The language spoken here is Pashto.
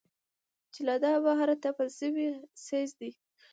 چې دا له بهره تپل شوى څيز دى.